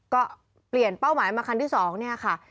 ก็เปลี่ยนเป้าหมายมาคันที่๒เนี่ยค่ะ